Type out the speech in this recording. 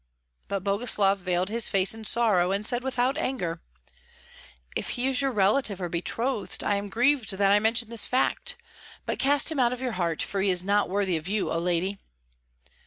But Boguslav veiled his face in sorrow, and said without anger, "If he is your relative or betrothed, I am grieved that I mentioned this fact; but cast him out of your heart, for he is not worthy of you, O lady."